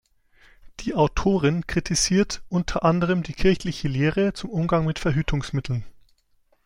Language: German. Die Autorin kritisiert unter anderem die kirchliche Lehre zum Umgang mit Verhütungsmitteln.